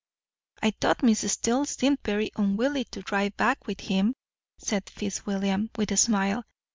"I thought Miss Steele seemed very unwilling to drive back with him," said Fitzwilliam with a smile.